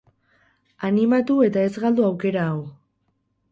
Animatu eta ez galdu aukera hau.